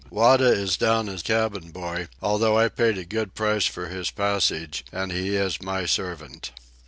Wada is down as cabin boy, although I paid a good price for his passage and he is my servant.